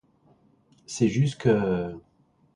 C’est juste que…